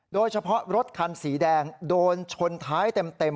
โดยเฉพาะรถคันสีแดงโดนชนท้ายเต็ม